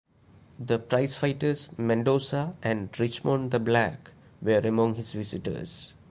The prize-fighters Mendoza and Richmond the Black were among his visitors.